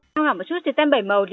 nếu mà bạn in thì bao nhiêu một cái